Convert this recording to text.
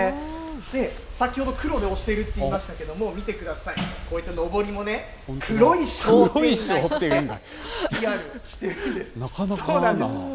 で、先ほど、黒で推してるって言いましたけども、見てください、こういったのぼりもね、黒い商店街ってＰＲしてるんです。